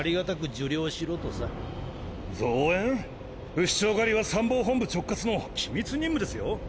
不死鳥狩りは参謀本部直轄の機密任務ですよ？